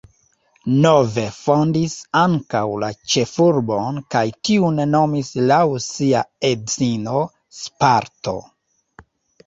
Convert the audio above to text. Nove fondis ankaŭ la ĉefurbon kaj tiun nomis laŭ sia edzino Sparto.